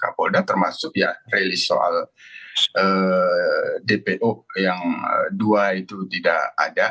kapolda termasuk ya rilis soal dpo yang dua itu tidak ada